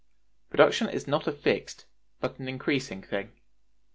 Production is not a fixed but an increasing thing.